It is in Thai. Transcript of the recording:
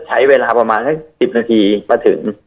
ใช้เวลาประมาณสัก๑๐นาทีมาถึง